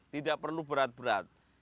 tidak perlu berat berat